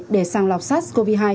để sang lọc sars cov hai